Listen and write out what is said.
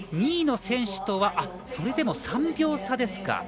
２位の選手とはそれでも３秒差ですか。